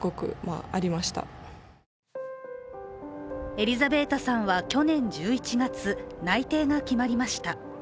エリザベータさんは去年１１月、内定が決まりました。